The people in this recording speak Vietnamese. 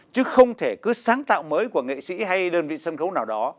chứ không thể cứ sáng tạo mới của nghệ sĩ hay đơn vị sân khấu nào đó